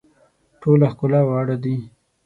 ټوله ښکلا واړه دي.